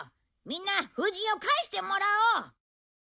みんな風神を返してもらおう。